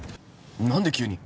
何で急に？